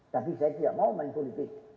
tapi saya tidak mau main politik